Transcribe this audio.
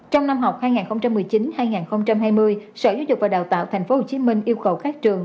trong năm học hai nghìn một mươi chín hai nghìn hai mươi sở giáo dục và đào tạo tp hcm yêu cầu các trường